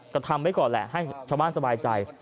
ก็ทำไว้ก่อนแหละให้ชาวบ้านสบายใจ